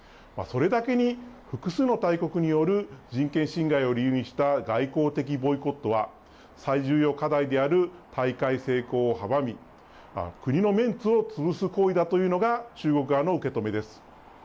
それだけに、複数の大国による人権侵害を理由にした外交的ボイコットは、最重要課題である大会成功を阻み、国のメンツを潰す行為だというのが中国側の受け止めです。